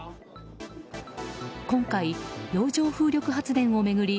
今回、洋上風力発電を巡り